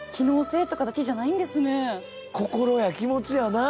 心や気持ちやな。